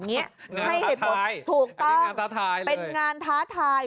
ให้เหตุผลถูกต้องเป็นงานท้าทาย